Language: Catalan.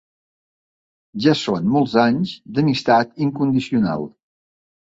Ja són molts anys d'amistat incondicional.